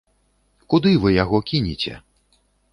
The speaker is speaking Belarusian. Куды вы яго кінеце?